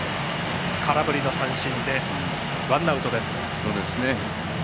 空振りの三振でワンアウトです。